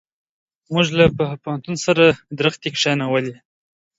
موږ له پوهنتون سره درختي کښېنولې.